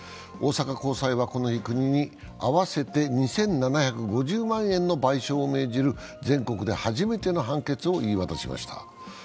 大阪高裁はこの日、国に合わせて２７５０万円の賠償を命じる全国で初めての判決を言い渡しました。